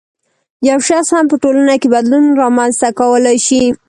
یو شخص هم په ټولنه کې بدلون رامنځته کولای شي